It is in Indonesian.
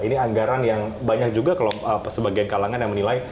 ini anggaran yang banyak juga sebagian kalangan yang menilai